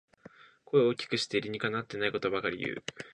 声を大きくして理にかなってないことばかり言う